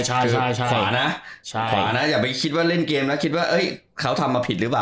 ใช่ขวานะขวานะอย่าไปคิดว่าเล่นเกมแล้วคิดว่าเขาทำมาผิดหรือเปล่า